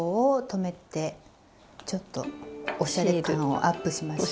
おしゃれ感をアップしましょう。